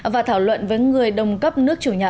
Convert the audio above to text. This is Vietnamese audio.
và thảo luận với người đồng cấp nước chủ nhà